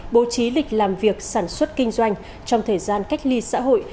bố trí lịch làm việc sản xuất kinh doanh trong thời gian cách ly xã hội